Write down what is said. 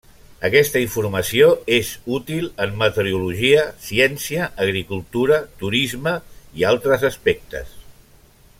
Aquesta informació és útil en meteorologia, ciència, agricultura, turisme, i altres aspectes.